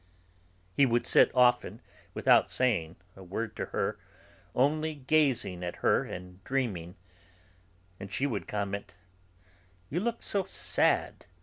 He would sit, often, without saying a word to her, only gazing at her and dreaming; and she would comment: "You do look sad!"